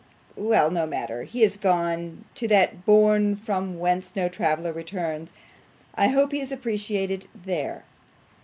Well, no matter. He is gone to that bourne from whence no traveller returns. I hope he is appreciated THERE.